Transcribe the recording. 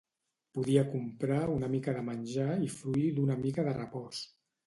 Podia comprar una mica de menjar i fruir d'una mica de repòs